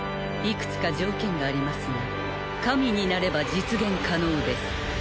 いくつか条件がありますが神になれば実現可能です